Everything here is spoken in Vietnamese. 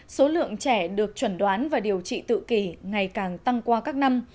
số lượng trẻ được chuẩn đoán và điều trị tự kỳ ngày càng tăng qua các năm